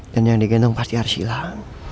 dan yang digendong pasti arsy lah